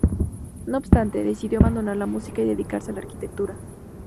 No obstante, decidió abandonar la música y dedicarse a la arquitectura.